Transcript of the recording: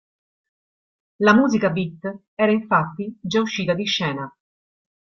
La musica beat era infatti già uscita di scena.